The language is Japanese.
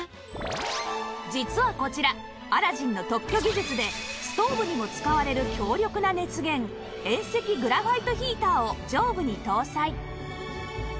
実はこちらアラジンの特許技術でストーブにも使われる強力な熱源遠赤グラファイトヒーターを上部に搭載